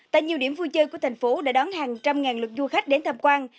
tại nhiều điểm vui chơi của thành phố đã đón hàng trăm ngàn lượt du khách đến tham quan